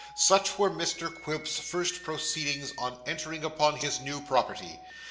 Such were Mr Quilp's first proceedings on entering upon his new property.